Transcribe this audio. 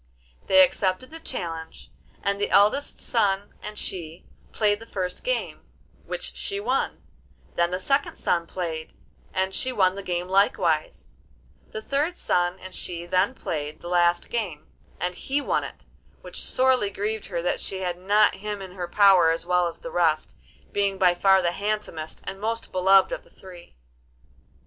They accepted the challenge, and the eldest son and she played the first game, which she won; then the second son played, and she won that game likewise; the third son and she then played the last game, and he won it, which sorely grieved her that she had not him in her power as well as the rest, being by far the handsomest and most beloved of the three.